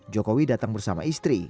jokowi datang bersama istri